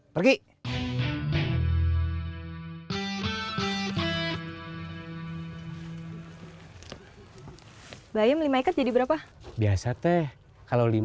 pergi bayam lima ikat jadi berapa biasa teh kalau lima